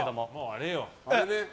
あれね！